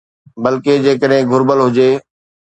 بلڪه، جيڪڏهن گهربل هجي